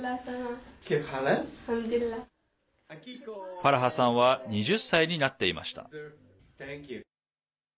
ファラハさんは２０歳になっていました。